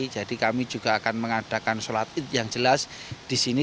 jadi kami juga akan mengadakan sholat yang jelas di sini